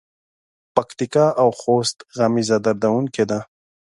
پکتیکا او خوست غمیزه دردوونکې ده.